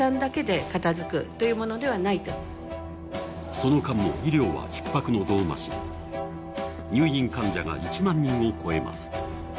その間も医療はひっ迫の度を増し入院患者が１万人を超えます。